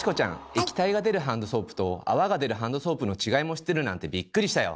液体が出るハンドソープと泡が出るハンドソープの違いも知ってるなんてびっくりしたよ！